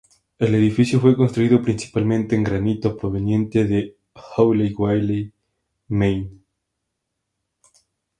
El edificio fue construido principalmente en granito proveniente de Hallowell, Maine.